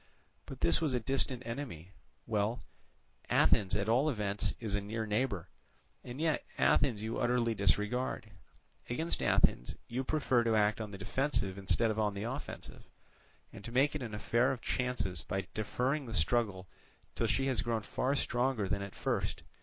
But this was a distant enemy. Well, Athens at all events is a near neighbour, and yet Athens you utterly disregard; against Athens you prefer to act on the defensive instead of on the offensive, and to make it an affair of chances by deferring the struggle till she has grown far stronger than at first.